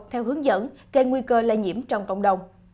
theo hướng dẫn gây nguy cơ lây nhiễm trong cộng đồng